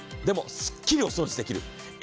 でもすっきりお掃除できる。